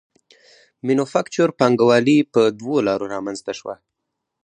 مینوفکچور پانګوالي په دوو لارو رامنځته شوه